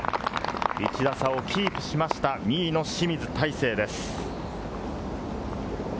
１打差をキープしました、２位の清水大成です。